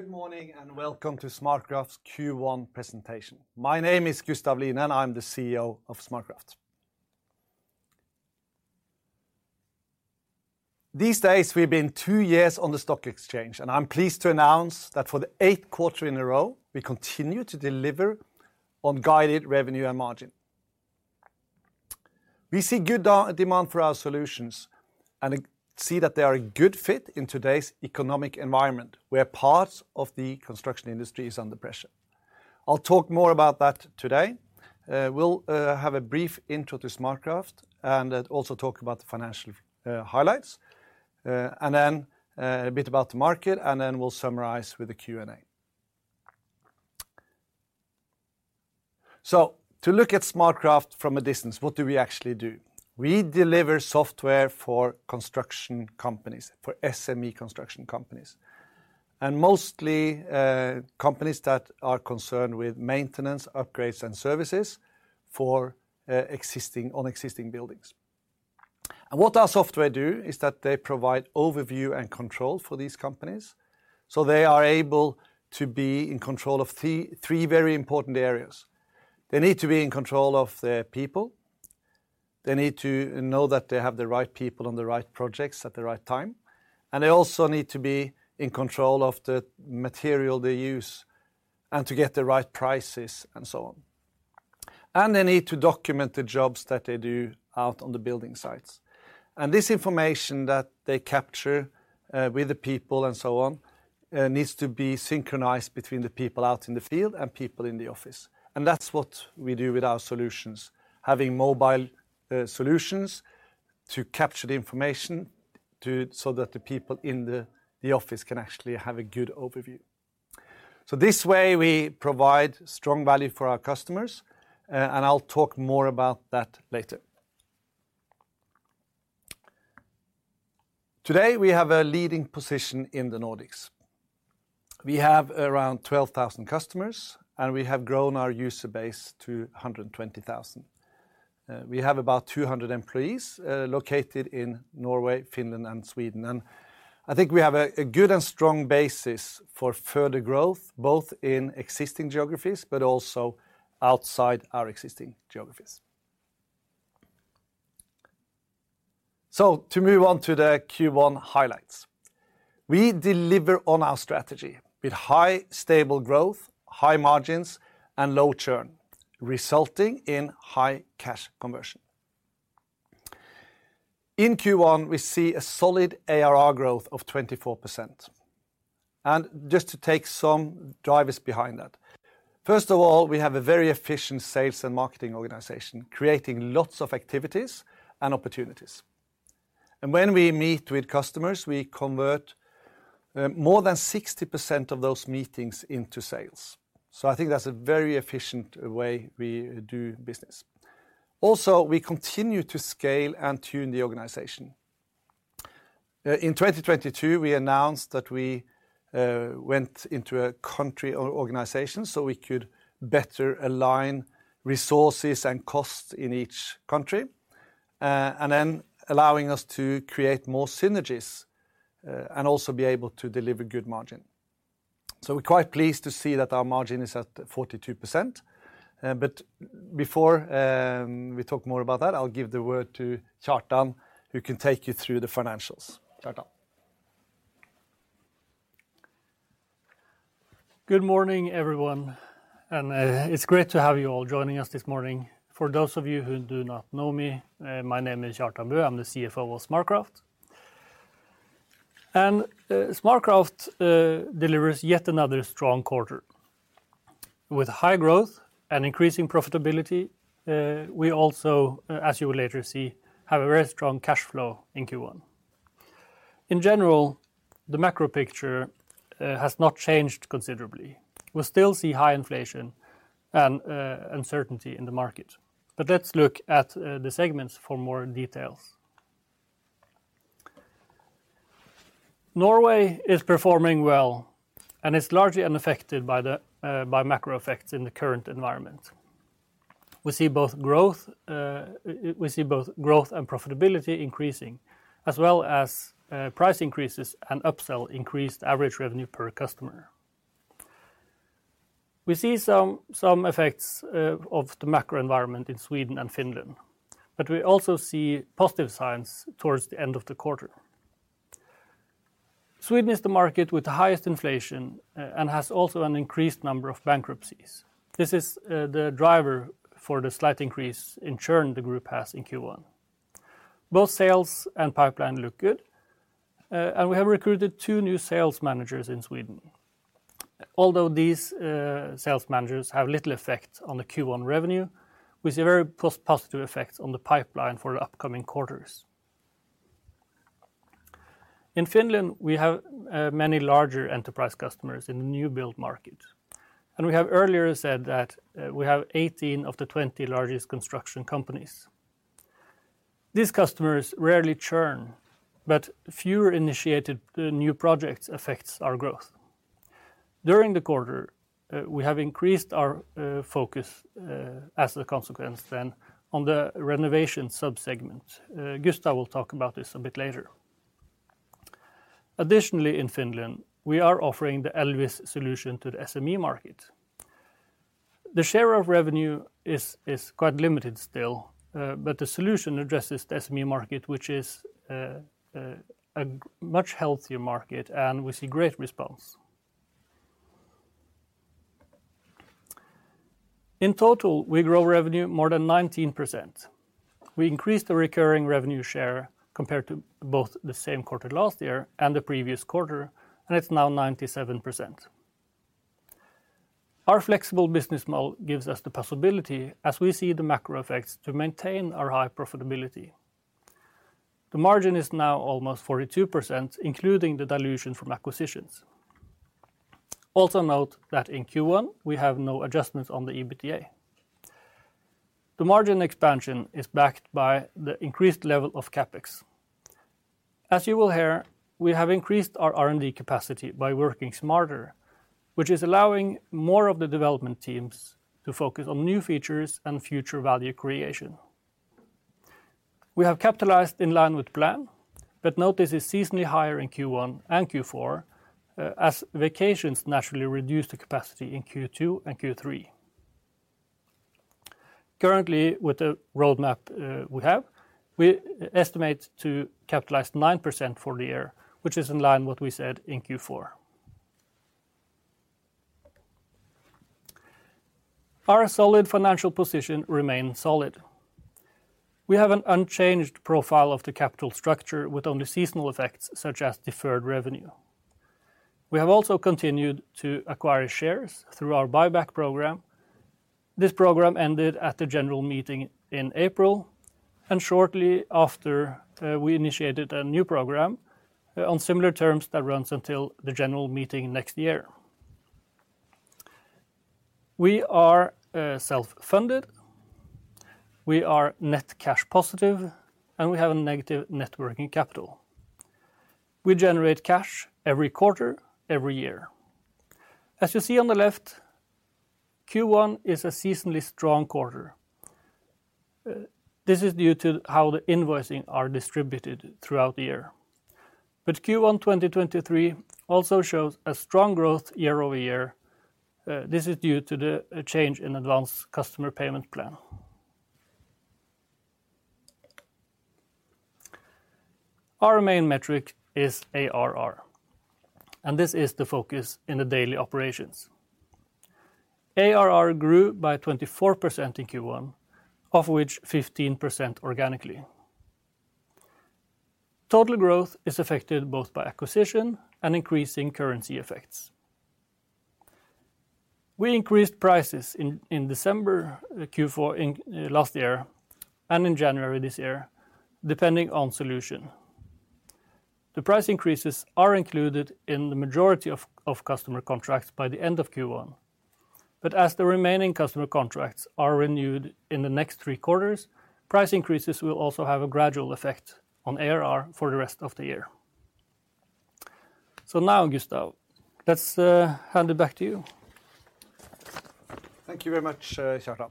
Good morning and welcome to SmartCraft's Q1 presentation. My name is Gustav Line, I'm the CEO of SmartCraft. These days we've been two years on the stock exchange, and I'm pleased to announce that for the eighth quarter in a row, we continue to deliver on guided revenue and margin. We see good de-demand for our solutions and see that they are a good fit in today's economic environment, where parts of the construction industry is under pressure. I'll talk more about that today. We'll have a brief intro to SmartCraft and then also talk about the financial highlights, and then a bit about the market, and then we'll summarize with the Q&A. To look at SmartCraft from a distance, what do we actually do? We deliver software for construction companies, for SME construction companies, mostly, companies that are concerned with maintenance, upgrades, and services for on existing buildings. What our software do is that they provide overview and control for these companies, so they are able to be in control of three very important areas. They need to be in control of their people. They need to know that they have the right people on the right projects at the right time. They also need to be in control of the material they use and to get the right prices and so on. They need to document the jobs that they do out on the building sites. This information that they capture, with the people and so on, needs to be synchronized between the people out in the field and people in the office. That's what we do with our solutions, having mobile solutions to capture the information so that the people in the office can actually have a good overview. This way, we provide strong value for our customers, and I'll talk more about that later. Today, we have a leading position in the Nordics. We have around 12,000 customers, and we have grown our user base to 120,000. We have about 200 employees located in Norway, Finland, and Sweden. I think we have a good and strong basis for further growth, both in existing geographies but also outside our existing geographies. To move on to the Q1 highlights. We deliver on our strategy with high stable growth, high margins, and low churn, resulting in high cash conversion. In Q1, we see a solid ARR growth of 24%. Just to take some drivers behind that. First of all, we have a very efficient sales and marketing organization, creating lots of activities and opportunities. When we meet with customers, we convert more than 60% of those meetings into sales. I think that's a very efficient way we do business. Also, we continue to scale and tune the organization. In 2022, we announced that we went into a country organization, so we could better align resources and costs in each country, and then allowing us to create more synergies and also be able to deliver good margin. We're quite pleased to see that our margin is at 42%. Before, we talk more about that, I'll give the word to Kjartan, who can take you through the financials. Kjartan. Good morning, everyone, it's great to have you all joining us this morning. For those of you who do not know me, my name is Kjartan Bø. I'm the CFO of SmartCraft. SmartCraft delivers yet another strong quarter. With high growth and increasing profitability, we also, as you will later see, have a very strong cash flow in Q1. In general, the macro picture has not changed considerably. We still see high inflation and uncertainty in the market. Let's look at the segments for more details. Norway is performing well and is largely unaffected by the macro effects in the current environment. We see both growth and profitability increasing, as well as price increases and upsell increased average revenue per customer. We see some effects of the macro environment in Sweden and Finland. We also see positive signs towards the end of the quarter. Sweden is the market with the highest inflation, and has also an increased number of bankruptcies. This is the driver for the slight increase in churn the group has in Q1. Both sales and pipeline look good. We have recruited two new sales managers in Sweden. Although these sales managers have little effect on the Q1 revenue, we see a very positive effect on the pipeline for the upcoming quarters. In Finland, we have many larger enterprise customers in the new build market. We have earlier said that we have 18 of the 20 largest construction companies. These customers rarely churn. Fewer initiated new projects affects our growth. During the quarter. We have increased our focus as a consequence then on the renovation sub-segment. Gustav will talk about this a bit later. In Finland, we are offering the EL-VIS solution to the SME market. The share of revenue is quite limited still, but the solution addresses the SME market, which is a much healthier market, and we see great response. In total, we grow revenue more than 19%. We increase the recurring revenue share compared to both the same quarter last year and the previous quarter, and it's now 97%. Our flexible business model gives us the possibility as we see the macro effects to maintain our high profitability. The margin is now almost 42%, including the dilution from acquisitions. Also note that in Q1, we have no adjustments on the EBITDA. The margin expansion is backed by the increased level of CapEx. As you will hear, we have increased our R&D capacity by working smarter, which is allowing more of the development teams to focus on new features and future value creation. We have capitalized in line with plan, but note this is seasonally higher in Q1 and Q4, as vacations naturally reduce the capacity in Q2 and Q3. Currently, with the roadmap we have, we estimate to capitalize 9% for the year, which is in line what we said in Q4. Our solid financial position remains solid. We have an unchanged profile of the capital structure with only seasonal effects such as deferred revenue. We have also continued to acquire shares through our buyback program. This program ended at the general meeting in April. Shortly after, we initiated a new program, on similar terms that runs until the general meeting next year. We are self-funded, we are net cash positive, and we have a negative net working capital. We generate cash every quarter, every year. As you see on the left, Q1 is a seasonally strong quarter. This is due to how the invoicing are distributed throughout the year. Q1, 2023 also shows a strong growth year-over-year. This is due to the change in advanced customer payment plan. Our main metric is ARR. This is the focus in the daily operations. ARR grew by 24% in Q1, of which 15% organically. Total growth is affected both by acquisition and increasing currency effects. We increased prices in December Q4 in last year and in January this year, depending on solution. The price increases are included in the majority of customer contracts by the end of Q1. As the remaining customer contracts are renewed in the next three quarters, price increases will also have a gradual effect on ARR for the rest of the year. Now, Gustav, let's hand it back to you. Thank you very much, Kjartan.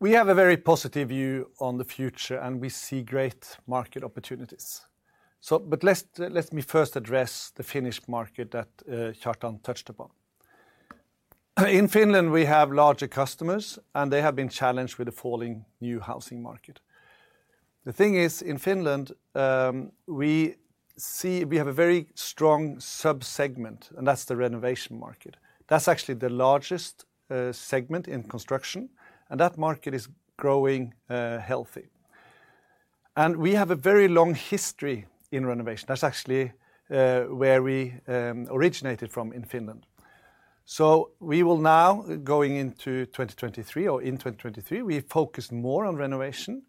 We have a very positive view on the future, and we see great market opportunities. Let me first address the Finnish market that Kjartan touched upon. In Finland, we have larger customers, and they have been challenged with the falling new housing market. The thing is, in Finland, we have a very strong sub-segment, and that's the renovation market. That's actually the largest segment in construction, and that market is growing healthy. We have a very long history in renovation. That's actually where we originated from in Finland. We will now going into 2023 or in 2023, we focus more on renovation,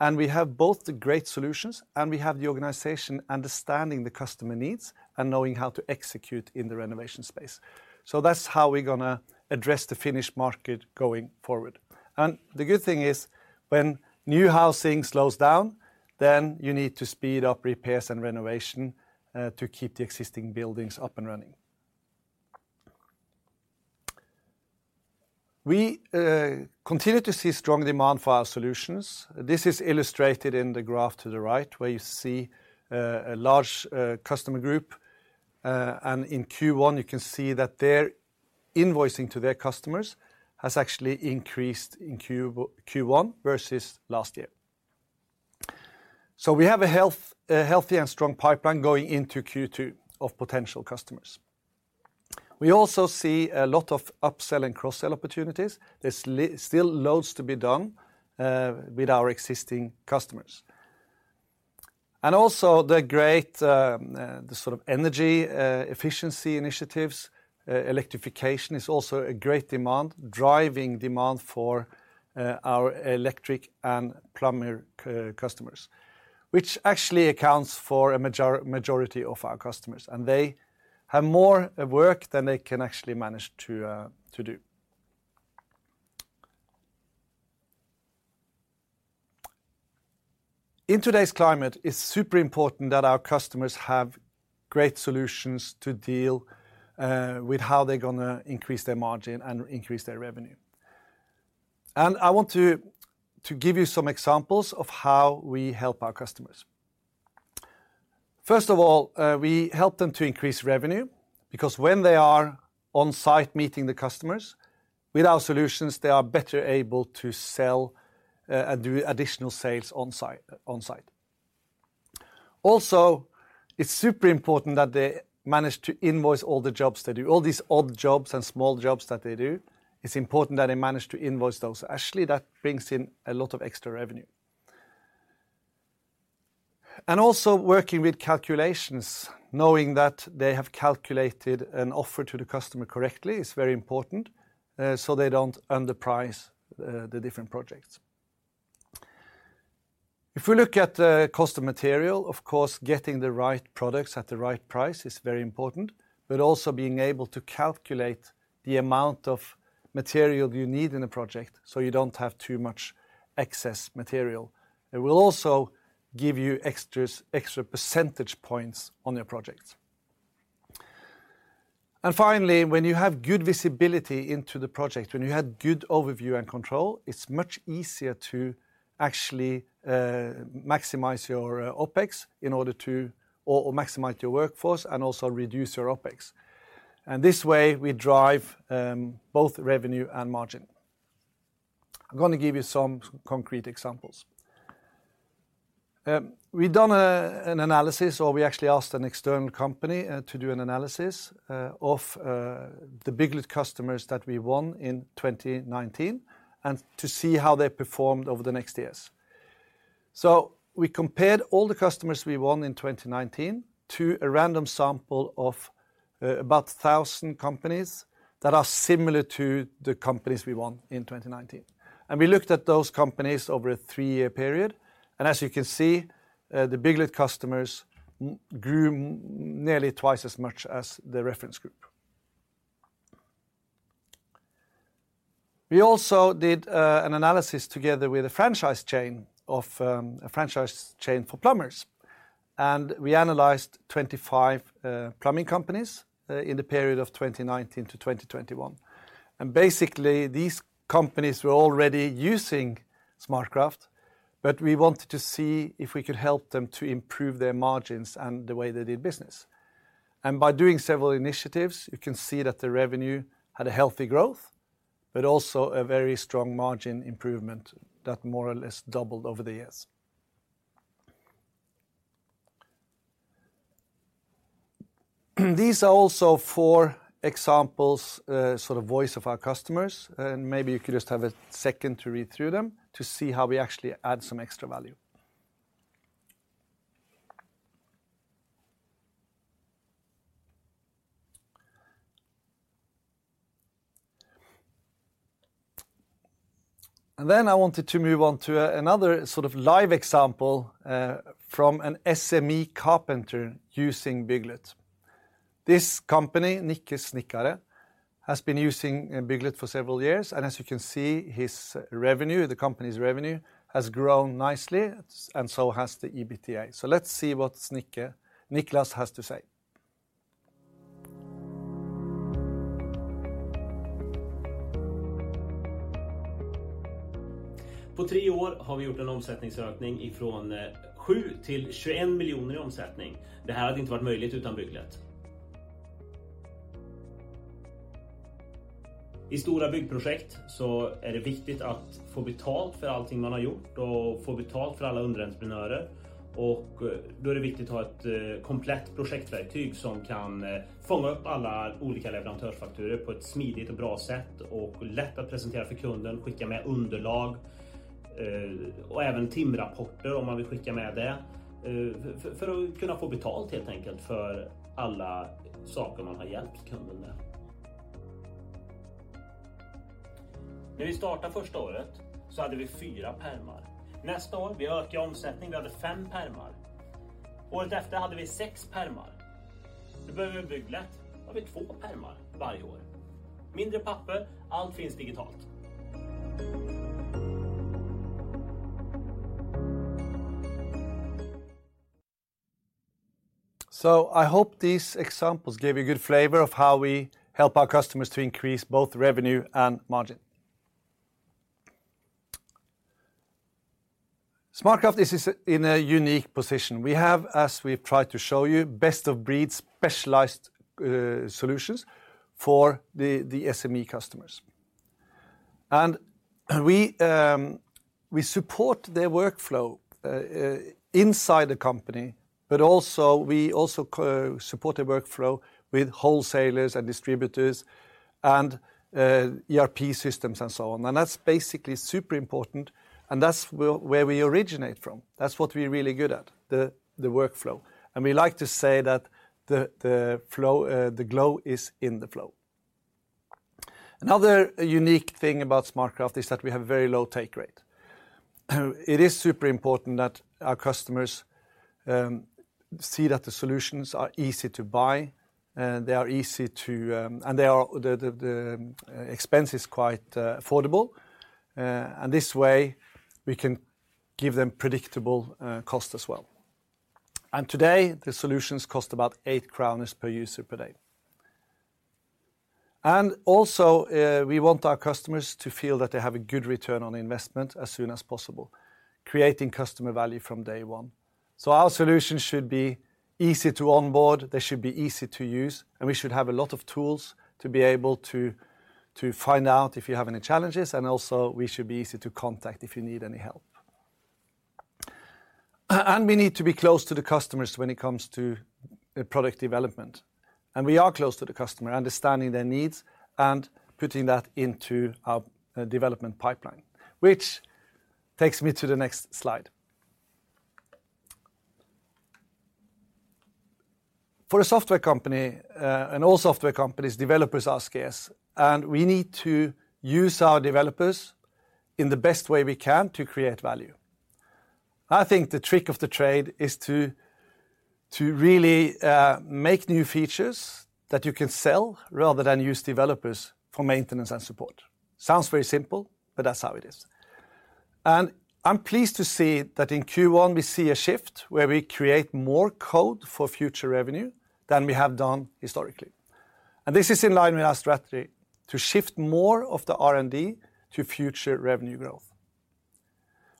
and we have both the great solutions, and we have the organization understanding the customer needs and knowing how to execute in the renovation space. That's how we're going to address the Finnish market going forward. The good thing is when new housing slows down, then you need to speed up repairs and renovation to keep the existing buildings up and running. We continue to see strong demand for our solutions. This is illustrated in the graph to the right where you see a large customer group. In Q1, you can see that their invoicing to their customers has actually increased in Q1 versus last year. We have a healthy and strong pipeline going into Q2 of potential customers. We also see a lot of upsell and cross-sell opportunities. There's still loads to be done with our existing customers. Also the great, the sort of energy efficiency initiatives, electrification is also a great demand, driving demand for our electric and plumber customers, which actually accounts for a majority of our customers, and they have more work than they can actually manage to do. In today's climate, it's super important that our customers have great solutions to deal with how they're gonna increase their margin and increase their revenue. I want to give you some examples of how we help our customers. First of all, we help them to increase revenue because when they are on site meeting the customers, with our solutions, they are better able to sell, do additional sales on site. Also, it's super important that they manage to invoice all the jobs they do. All these odd jobs and small jobs that they do, it's important that they manage to invoice those. That brings in a lot of extra revenue. Working with calculations, knowing that they have calculated an offer to the customer correctly is very important, so they don't underprice the different projects. If we look at the cost of material, of course, getting the right products at the right price is very important, but also being able to calculate the amount of material you need in a project, so you don't have too much excess material. It will also give you extra percentage points on your projects. Finally, when you have good visibility into the project, when you have good overview and control, it's much easier to actually maximize your OpEx in order to... Maximize your workforce and also reduce your OpEx. This way, we drive both revenue and margin. I'm gonna give you some concrete examples. We done an analysis, or we actually asked an external company to do an analysis of the Bygglet customers that we won in 2019 and to see how they performed over the next years. We compared all the customers we won in 2019 to a random sample of about 1,000 companies that are similar to the companies we won in 2019. We looked at those companies over a three-year period. As you can see, the Bygglet customers grew nearly twice as much as the reference group. We also did an analysis together with a franchise chain of a franchise chain for plumbers. We analyzed 25 plumbing companies in the period of 2019 to 2021. Basically, these companies were already using SmartCraft, but we wanted to see if we could help them to improve their margins and the way they did business. By doing several initiatives, you can see that the revenue had a healthy growth, but also a very strong margin improvement that more or less doubled over the years. These are also four examples, sort of voice of our customers, and maybe you could just have a second to read through them to see how we actually add some extra value. I wanted to move on to another sort of live example from an SME carpenter using Bygglet. This company, Nicke Snickare, has been using Bygglet for several years. As you can see, his revenue, the company's revenue, has grown nicely and so has the EBITDA. Let's see what Nicklas has to say. I hope these examples gave you a good flavor of how we help our customers to increase both revenue and margin. SmartCraft is in a unique position. We have, as we've tried to show you, best-of-breed specialized solutions for the SME customers. We support their workflow inside the company, but also we also support a workflow with wholesalers and distributors and ERP systems and so on. That's basically super important, and that's where we originate from. That's what we're really good at, the workflow. We like to say that the flow, the glow is in the flow. Another unique thing about SmartCraft is that we have a very low take rate. It is super important that our customers see that the solutions are easy to buy, and they are easy to, and the expense is quite affordable. This way, we can give them predictable cost as well. Today, the solutions cost about 8 per user per day. Also, we want our customers to feel that they have a good return on investment as soon as possible, creating customer value from day one. Our solution should be easy to onboard, they should be easy to use, and we should have a lot of tools to be able to find out if you have any challenges, and also we should be easy to contact if you need any help. We need to be close to the customers when it comes to product development. We are close to the customer, understanding their needs and putting that into our development pipeline, which takes me to the next slide. For a software company, all software companies, developers are scarce, we need to use our developers in the best way we can to create value. I think the trick of the trade is to really make new features that you can sell rather than use developers for maintenance and support. Sounds very simple, that's how it is. I'm pleased to see that in Q1, we see a shift where we create more code for future revenue than we have done historically. This is in line with our strategy to shift more of the R&D to future revenue growth.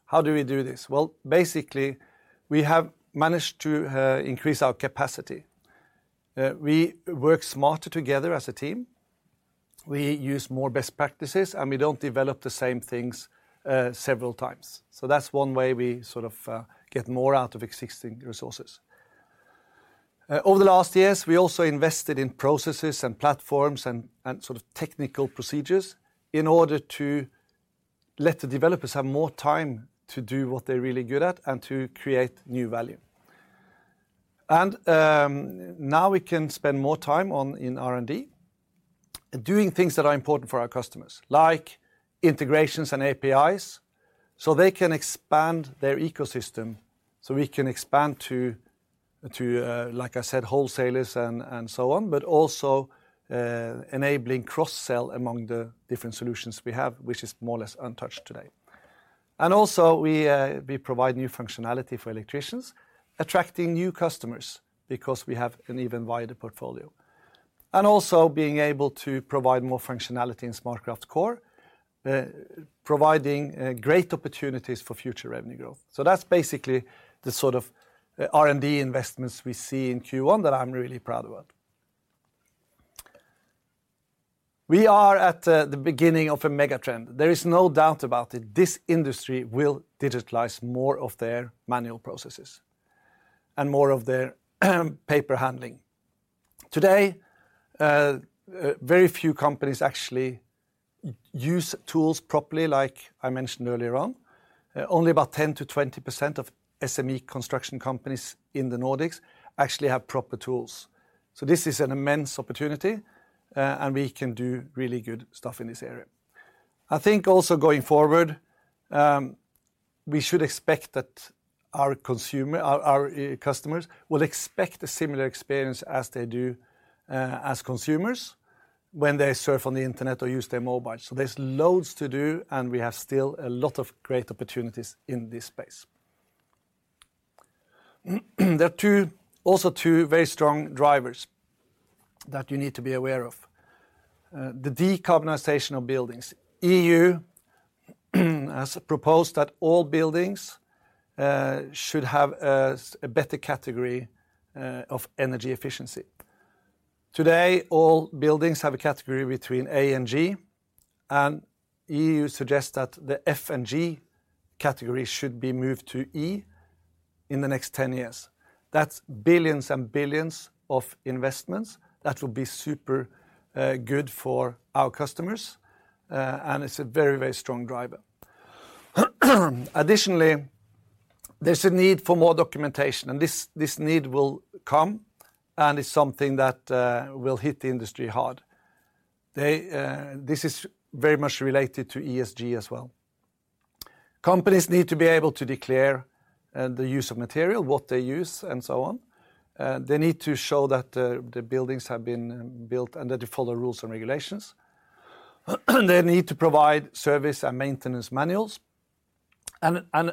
How do we do this? Well, basically, we have managed to increase our capacity. We work smarter together as a team. We use more best practices, and we don't develop the same things several times. That's one way we sort of get more out of existing resources. Over the last years, we also invested in processes and platforms and sort of technical procedures in order to let the developers have more time to do what they're really good at and to create new value. Now we can spend more time on in R&D doing things that are important for our customers, like integrations and APIs, so they can expand their ecosystem, so we can expand to, like I said, wholesalers and so on, but also enabling cross-sell among the different solutions we have, which is more or less untouched today. Also, we provide new functionality for electricians, attracting new customers because we have an even wider portfolio. Also being able to provide more functionality in SmartCraft Core, providing great opportunities for future revenue growth. That's basically the sort of R&D investments we see in Q1 that I'm really proud about. We are at the beginning of a mega-trend. There is no doubt about it. This industry will digitalize more of their manual processes and more of their paper handling. Today, very few companies actually use tools properly, like I mentioned earlier on. Only about 10%-20% of SME construction companies in the Nordics actually have proper tools. This is an immense opportunity, and we can do really good stuff in this area. I think also going forward, we should expect that our customers will expect a similar experience as they do as consumers when they surf on the internet or use their mobile. There's loads to do, and we have still a lot of great opportunities in this space. There are also two very strong drivers that you need to be aware of. The decarbonization of buildings. EU has proposed that all buildings should have a better category of energy efficiency. Today, all buildings have a category between A and G, and EU suggests that the F and G categories should be moved to E in the next 10 years. That's billions and billions of investments that will be super good for our customers, and it's a very, very strong driver. Additionally, there's a need for more documentation, and this need will come, and it's something that will hit the industry hard. This is very much related to ESG as well. Companies need to be able to declare the use of material, what they use, and so on. They need to show that the buildings have been built and that they follow rules and regulations. They need to provide service and maintenance manuals.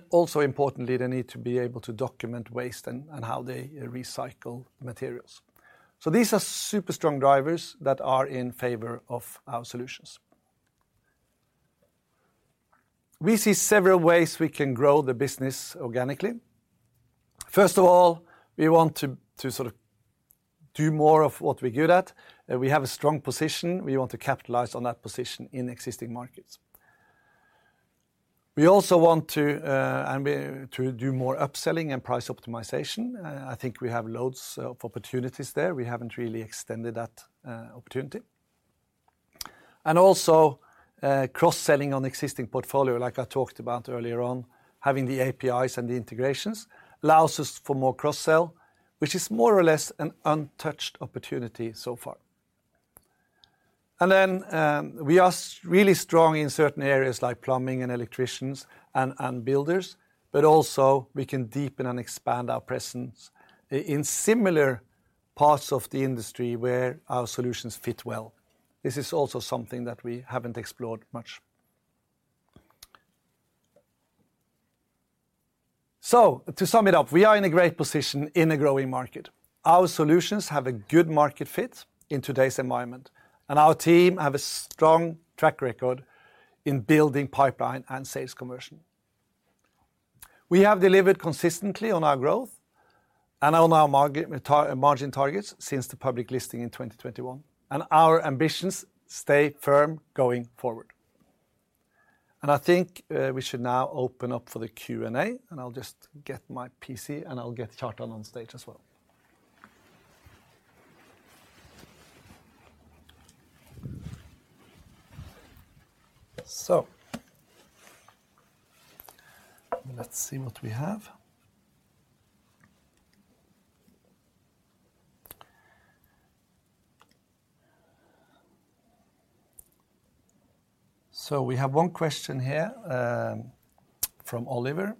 Also importantly, they need to be able to document waste and how they recycle materials. These are super strong drivers that are in favor of our solutions. We see several ways we can grow the business organically. First of all, we want to sort of do more of what we're good at. We have a strong position. We want to capitalize on that position in existing markets. We also want to do more upselling and price optimization. I think we have loads of opportunities there. We haven't really extended that opportunity. cross-selling on existing portfolio, like I talked about earlier on. Having the APIs and the integrations allows us for more cross-sell, which is more or less an untouched opportunity so far. We are really strong in certain areas like plumbing and electricians and builders, but also we can deepen and expand our presence in similar parts of the industry where our solutions fit well. This is also something that we haven't explored much. To sum it up, we are in a great position in a growing market. Our solutions have a good market fit in today's environment, and our team have a strong track record in building pipeline and sales conversion. We have delivered consistently on our growth and on our margin targets since the public listing in 2021, and our ambitions stay firm going forward. I think, we should now open up for the Q&A, and I'll just get my PC, and I'll get Kjartan on stage as well. Let's see what we have. We have one question here from Oliver.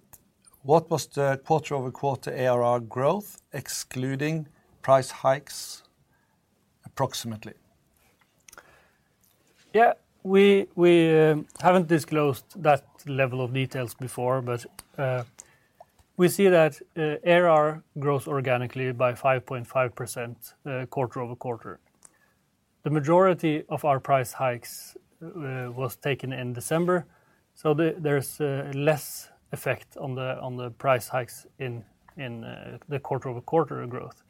What was the quarter-over-quarter ARR growth excluding price hikes approximately? We haven't disclosed that level of details before. We see that ARR grows organically by 5.5% quarter-over-quarter. The majority of our price hikes was taken in December. There's less effect on the price hikes in the quarter-over-quarter growth.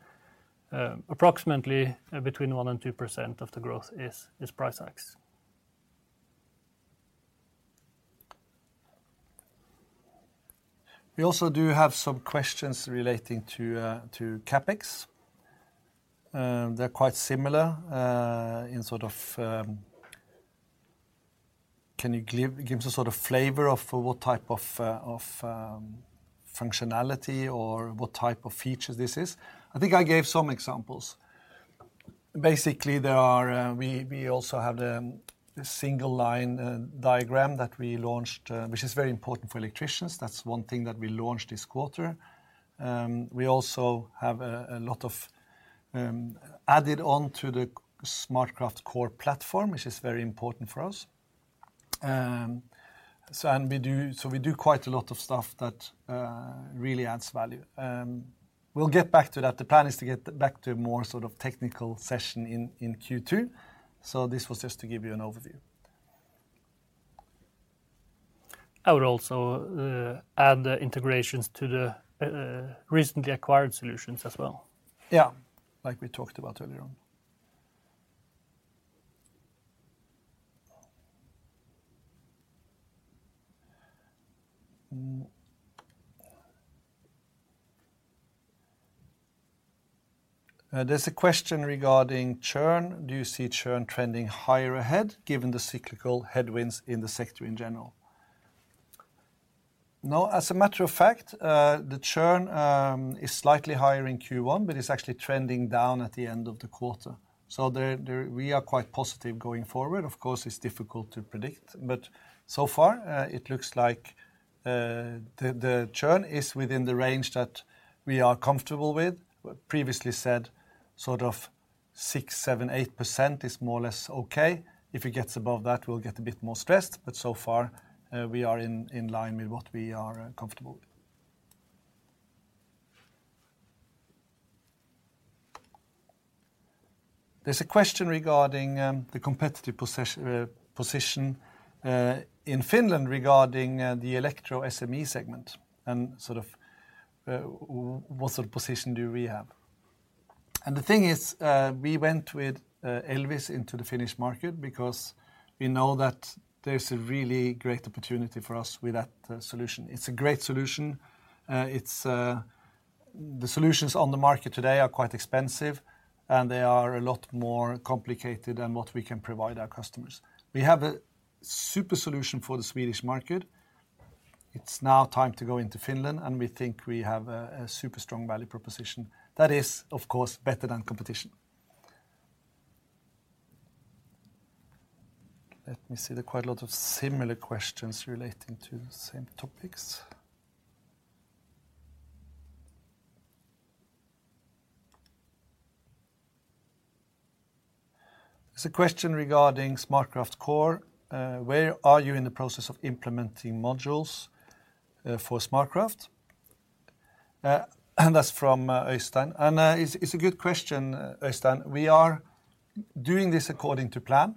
Approximately between 1% and 2% of the growth is price hikes. We also do have some questions relating to CapEx. They're quite similar in sort of. Can you give us a sort of flavor of what type of functionality or what type of features this is? I think I gave some examples. Basically, there are, we also have the single-line diagram that we launched, which is very important for electricians. That's one thing that we launched this quarter. We also have a lot of added on to the SmartCraft Core platform, which is very important for us. So we do quite a lot of stuff that really adds value. We'll get back to that. The plan is to get back to a more sort of technical session in Q2. This was just to give you an overview. I would also add the integrations to the recently acquired solutions as well. Yeah. Like we talked about earlier on. There's a question regarding churn. Do you see churn trending higher ahead given the cyclical headwinds in the sector in general? No. As a matter of fact, the churn is slightly higher in Q1, but it's actually trending down at the end of the quarter. We are quite positive going forward. Of course, it's difficult to predict, but so far, it looks like the churn is within the range that we are comfortable with. We previously said sort of 6%, 7%, 8% is more or less okay. If it gets above that, we'll get a bit more stressed. So far, we are in line with what we are comfortable with. There's a question regarding the competitive position in Finland regarding the electro SME segment and sort of what sort of position do we have? The thing is, we went with EL-VIS into the Finnish market because we know that there's a really great opportunity for us with that solution. It's a great solution. The solutions on the market today are quite expensive, and they are a lot more complicated than what we can provide our customers. We have a super solution for the Swedish market. It's now time to go into Finland, and we think we have a super strong value proposition that is, of course, better than competition. Let me see. There are quite a lot of similar questions relating to the same topics. There's a question regarding SmartCraft Core. Where are you in the process of implementing modules for SmartCraft? That's from Oystein. It's a good question, Oystein. We are doing this according to plan.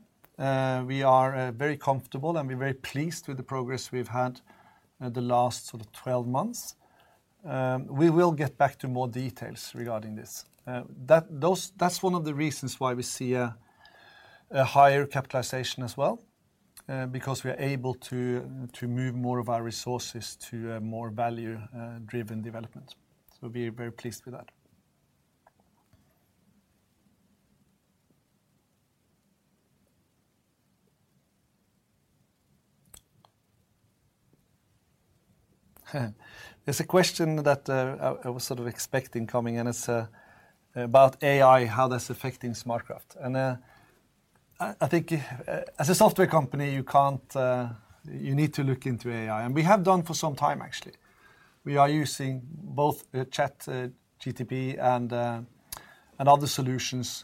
We are very comfortable, and we're very pleased with the progress we've had the last sort of 12 months. We will get back to more details regarding this. That's one of the reasons why we see a higher capitalization as well because we are able to move more of our resources to a more value driven development. We're very pleased with that. There's a question that I was sort of expecting coming in. It's about AI, how that's affecting SmartCraft. I think as a software company, you can't... You need to look into AI, and we have done for some time, actually. We are using both the ChatGPT and other solutions,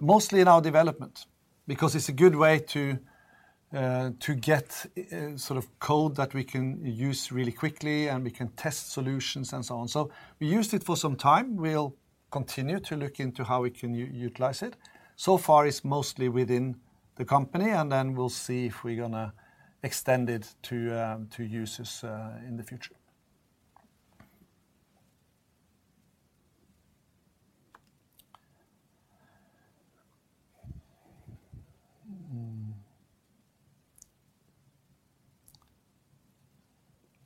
mostly in our development, because it's a good way to get sort of code that we can use really quickly, and we can test solutions and so on. We used it for some time. We'll continue to look into how we can utilize it. So far, it's mostly within the company, and then we'll see if we're gonna extend it to users in the future.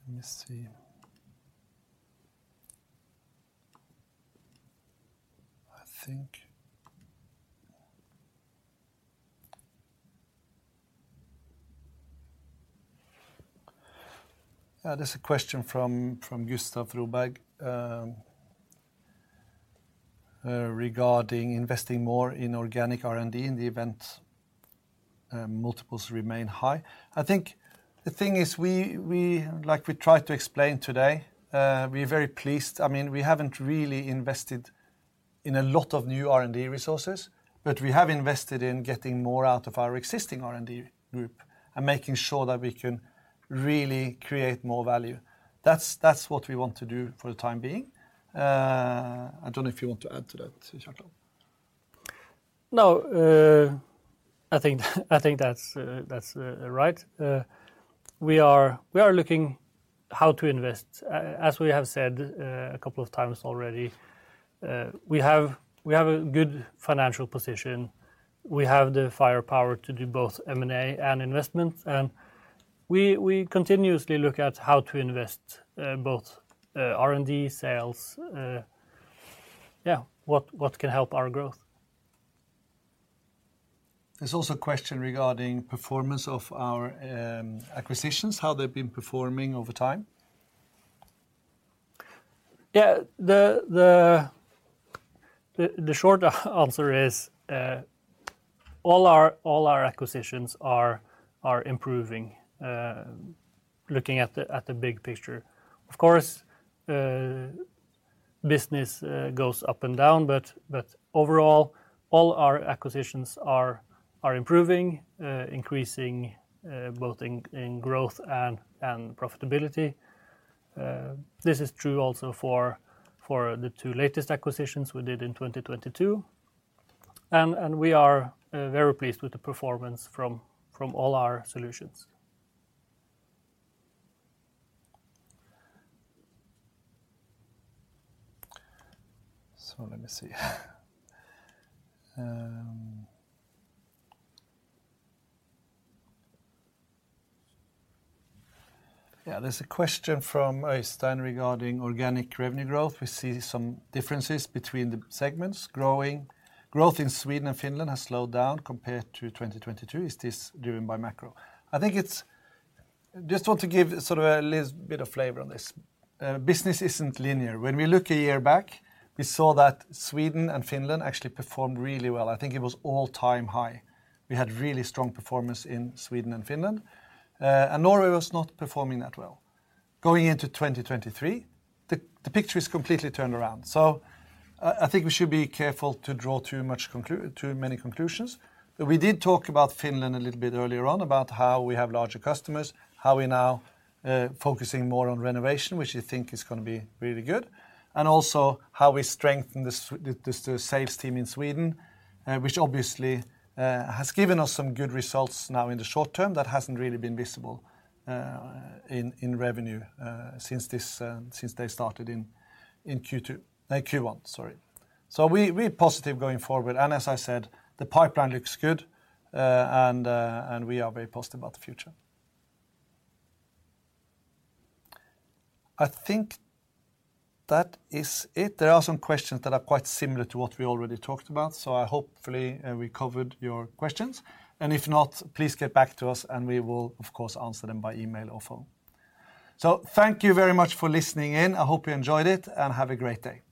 Let me see. I think. There's a question from Gustav Ruberg regarding investing more in organic R&D in the event multiples remain high. I think the thing is, we like we tried to explain today, we're very pleased. I mean, we haven't really invested in a lot of new R&D resources, but we have invested in getting more out of our existing R&D group and making sure that we can really create more value. That's what we want to do for the time being. I don't know if you want to add to that, Kjartan. I think that's right. We are looking how to invest. As we have said a couple of times already, we have a good financial position. We have the firepower to do both M&A and investments, and we continuously look at how to invest, both R&D, sales, yeah, what can help our growth. There's also a question regarding performance of our acquisitions, how they've been performing over time. Yeah. The short answer is all our acquisitions are improving looking at the big picture. Business goes up and down, but overall, all our acquisitions are improving increasing both in growth and profitability. This is true also for the two latest acquisitions we did in 2022. We are very pleased with the performance from all our solutions. Let me see. Yeah. There's a question from Oystein regarding organic revenue growth. We see some differences between the segments growing. Growth in Sweden and Finland has slowed down compared to 2022. Is this driven by macro? Just want to give sort of a little bit of flavor on this. Business isn't linear. When we look a year back, we saw that Sweden and Finland actually performed really well. I think it was all-time high. We had really strong performance in Sweden and Finland, and Norway was not performing that well. Going into 2023, the picture is completely turned around. I think we should be careful to draw too many conclusions. We did talk about Finland a little bit earlier on, about how we have larger customers, how we're now focusing more on renovation, which we think is gonna be really good, and also how we strengthen the sales team in Sweden, which obviously has given us some good results now in the short term that hasn't really been visible in revenue since this since they started in Q2, no, Q1, sorry. We, we're positive going forward, and as I said, the pipeline looks good, and we are very positive about the future. I think that is it. There are some questions that are quite similar to what we already talked about, so I hopefully we covered your questions. If not, please get back to us, and we will of course answer them by email or phone. Thank you very much for listening in. I hope you enjoyed it, and have a great day.